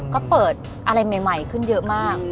ก็เปิดอะไรใหม่ขึ้นเยอะมาก